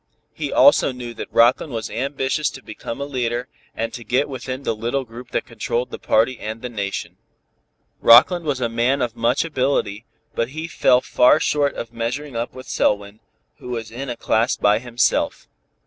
He also knew that Rockland was ambitious to become a leader, and to get within the little group that controlled the party and the Nation. Rockland was a man of much ability, but he fell far short of measuring up with Selwyn, who was in a class by himself.